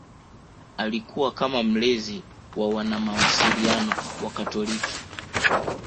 Alikuwa kama mlezi wa wanamawasiliano wakatoliki